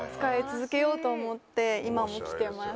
今も着てます。